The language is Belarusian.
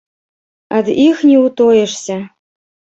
Ад іх не ўтоішся.